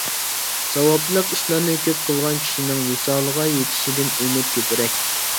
ساۋابلىق ئىشلارنى كۆپ قىلغان كىشىنىڭ ۋىسالغا يېتىشىدىن ئۈمىد كۆپرەك.